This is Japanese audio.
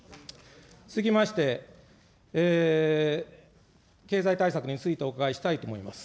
続きまして、経済対策についてお伺いしたいと思います。